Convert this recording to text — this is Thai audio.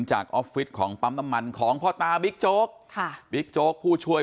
ออฟฟิศของปั๊มน้ำมันของพ่อตาบิ๊กโจ๊กค่ะบิ๊กโจ๊กผู้ช่วย